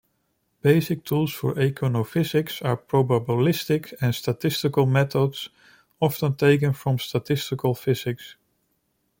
Basic tools of econophysics are probabilistic and statistical methods often taken from statistical physics.